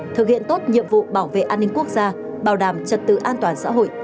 thực hiện tốt nhiệm vụ bảo vệ an ninh quốc gia bảo đảm trật tự an toàn xã hội